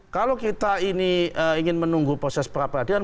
kalau kita ini ingin menunggu proses peradilan